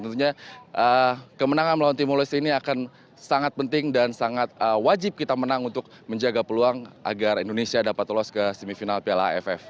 tentunya kemenangan melawan timor leste ini akan sangat penting dan sangat wajib kita menang untuk menjaga peluang agar indonesia dapat lolos ke semifinal piala aff